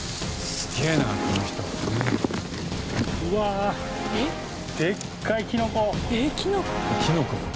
うわあでっかいキノコ！